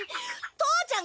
父ちゃん！